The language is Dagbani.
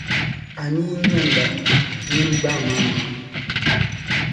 A ni yi nyamda nyin’ gbaam’ amaŋa.